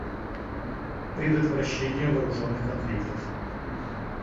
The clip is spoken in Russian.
Предотвращение вооруженных конфликтов.